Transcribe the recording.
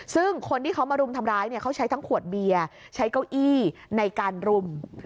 ซึ่งคนที่เขามารุมทำร้ายเนี่ยเขาใช้ทั้งขวดเบียร์ใช้เก้าอี้ในการรุม